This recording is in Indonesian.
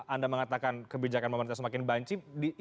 anda mengatakan kebijakan pemerintah semakin banci